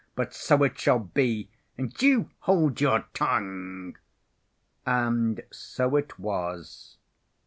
But so it shall be. And you hold your tongue." And so it was.